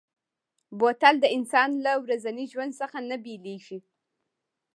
بوتل د انسان له ورځني ژوند څخه نه بېلېږي.